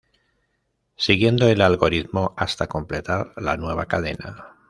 Siguiendo el algoritmo hasta completar la nueva cadena.